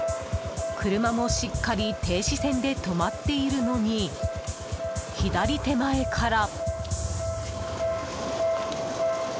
車もしっかり停止線で止まっているのに左手前から。